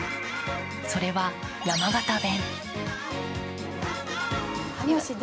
それは山形弁。